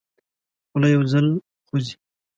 خوله یو ځل خوځي.